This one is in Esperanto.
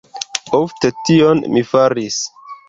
Ofte, tion mi faris.